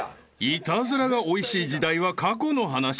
［イタズラがおいしい時代は過去の話］